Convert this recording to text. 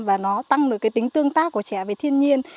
và nó tăng được cái tính tương tác của trẻ về thiên nhiên